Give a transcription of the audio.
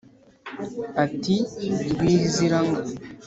Ati : Rwizihirangabo atuye iwe